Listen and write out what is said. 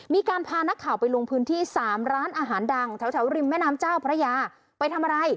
มีการพานักข่าวไปลงพื้นที่๓ร้านอาหารดังแถวริมแม่น้ำเจ้าพระยาไปทำอะไร